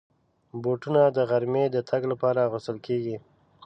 بوټونه د غرمې د تګ لپاره اغوستل کېږي.